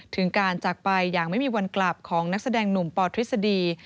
ถึงการจากไปอย่างไม่มีวันกลับของนักแสดงหนุ่มปทฤษฎี